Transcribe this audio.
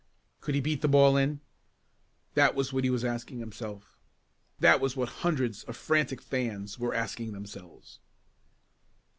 Could he beat the ball in? That was what he was asking himself. That was what hundreds of frantic fans were asking themselves.